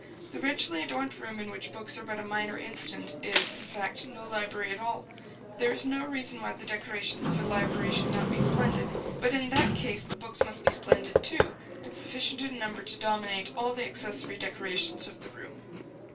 The richly adorned room in which books are but a minor incident is, in fact, no library at all. There is no reason why the decorations of a library should not be splendid; but in that case the books must be splendid too, and sufficient in number to dominate all the accessory decorations of the room.